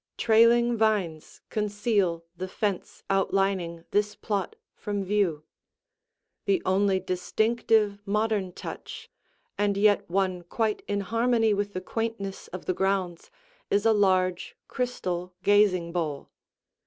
Trailing vines conceal the fence outlining this plot from view. The only distinctive modern touch and yet one quite in harmony with the quaintness of the grounds is a large crystal gazing bowl.